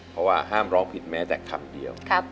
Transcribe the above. เพราะว่าห้ามร้องผิดแม้แต่คำเดียว